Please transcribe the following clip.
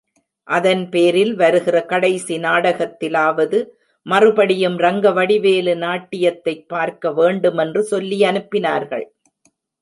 அதன்பேரில் வருகிற கடைசி நாடகத்திலாவது மறுபடியும் ரங்கவடிவேலு நாட்டியத்தைப் பார்க்க வேண்டுமென்று சொல்லியனுப்பினார்கள்.